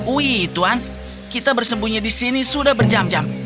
wih tuan kita bersembunyi di sini sudah berjam jam